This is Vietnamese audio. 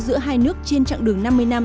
giữa hai nước trên chặng đường năm mươi năm